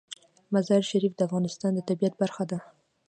مزارشریف د افغانستان د طبیعت برخه ده.